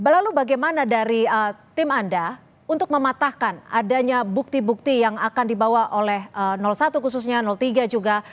lalu bagaimana dari tim anda untuk mematahkan adanya bukti bukti yang akan dibawa oleh satu khususnya tiga juga